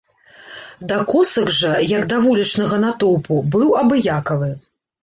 Да косак жа, як да вулічнага натоўпу, быў абыякавы.